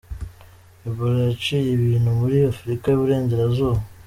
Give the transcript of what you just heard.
Ebola yaciye ibintu muri Afurika y’Uburengerazuba.